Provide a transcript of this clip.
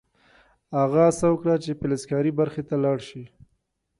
هغه هڅه وکړه چې فلزکاري برخې ته لاړ شي